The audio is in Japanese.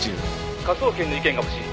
「科捜研の意見が欲しい。